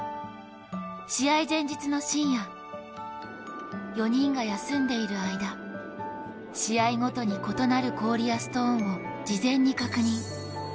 試合前日の深夜４人が休んでいる間試合ごとに異なる氷やストーンを事前に確認。